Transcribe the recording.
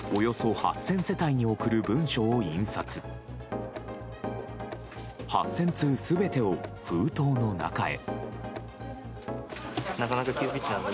８０００通全てを封筒の中へ。